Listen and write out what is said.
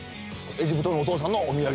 エジプトのお父さんのお土産？